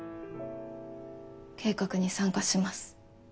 計画に参加します。